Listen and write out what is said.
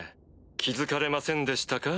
気付かれませんでしたか？